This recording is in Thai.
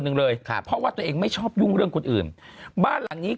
หนึ่งเลยครับเพราะว่าตัวเองไม่ชอบยุ่งเรื่องคนอื่นบ้านหลังนี้